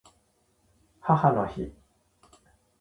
母の日